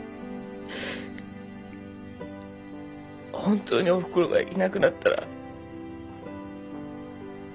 本当におふくろがいなくなったら。